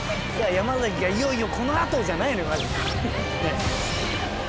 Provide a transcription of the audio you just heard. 「山崎がいよいよこのあと」じゃないのよ。